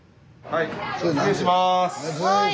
はい。